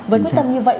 với quyết tâm như vậy